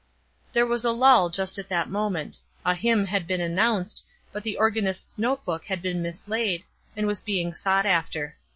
There was a lull just at that moment. A hymn had been announced, but the organist's note book had been mislaid, and was being sought after.